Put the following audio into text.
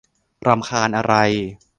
รำคาญอะไร